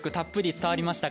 伝わりました。